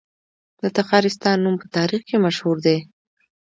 د تخارستان نوم په تاریخ کې مشهور دی